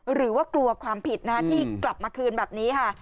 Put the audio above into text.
หรือว่ากลัวความผิดที่กลับมาคืนแบบนี้ค่ะ